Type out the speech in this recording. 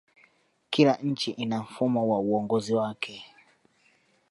kila nchi ina mfumo wa uongozi wake